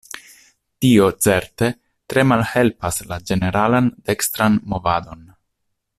Tio, certe, tre malhelpas la ĝeneralan dekstran movadon.